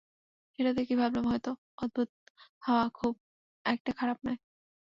সেটা দেখেই ভাবলাম, হয়ত অদ্ভুত হওয়া খুব একটা খারাপ নয়।